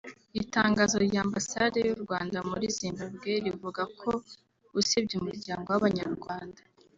Itangazo rya Ambasade y’u Rwanda muri Zimbabwe rivuga ko usibye Umuryango w’Abanyarwanda